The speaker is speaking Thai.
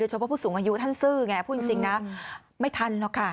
เฉพาะผู้สูงอายุท่านซื่อไงพูดจริงนะไม่ทันหรอกค่ะ